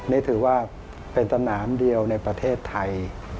นี่ถือว่าเป็นสนามเดียวในประเทศไทย